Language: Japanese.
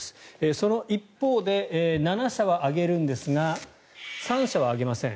その一方で７社は上げるんですが３社は上げません。